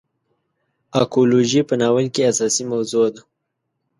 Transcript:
اکولوژي په ناول کې اساسي موضوع ده.